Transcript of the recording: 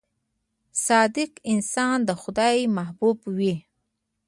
• صادق انسان د خدای محبوب وي.